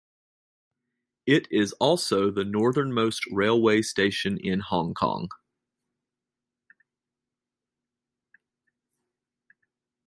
It is also the northernmost railway station in Hong Kong.